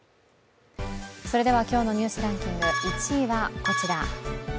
今日の「ニュースランキング」１位はこちら。